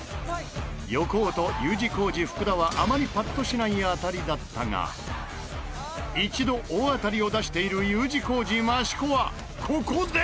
横尾とＵ字工事福田はあまりパッとしない当たりだったが一度大当たりを出しているＵ字工事益子はここで。